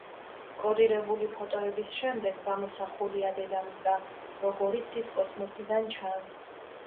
კოდირებული ფოტოების შემდეგ გამოსახულია დედამიწა, როგორიც ის კოსმოსიდან ჩანს.